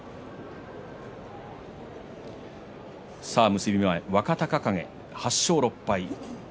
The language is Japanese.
結び前、若隆景８勝６敗。